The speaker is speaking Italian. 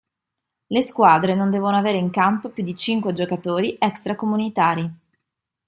Le squadre non devono avere in campo più di cinque giocatori extracomunitari.